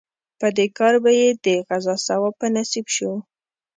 په دې کار به یې د غزا ثواب په نصیب شو.